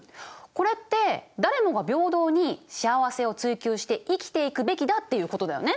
これって誰もが平等に幸せを追求して生きていくべきだっていうことだよね。